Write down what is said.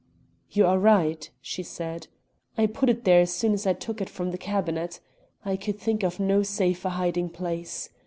"You are right," she said. "I put it there as soon as I took it from the cabinet. I could think of no safer hiding place.